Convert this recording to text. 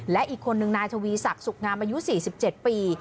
และอีกคนนึงนายทวีศักดิ์สุขงามอายุ๔๗ปี